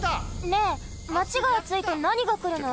ねえマチがあついとなにがくるの？